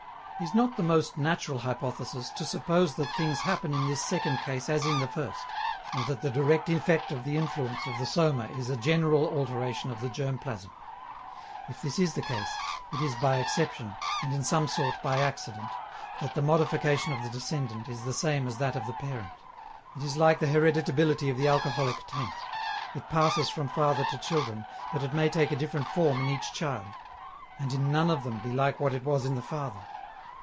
Is not the most natural hypothesis to suppose that things happen in this second case as in the first, and that the direct effect of the influence of the soma is a general alteration of the germ plasm? If this is the case, it is by exception, and in some sort by accident, that the modification of the descendant is the same as that of the parent. It is like the hereditability of the alcoholic taint: it passes from father to children, but it may take a different form in each child, and in none of them be like what it was in the father.